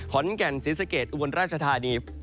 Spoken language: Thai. หอนแก่นสศรีสักรีอุบันราชธานี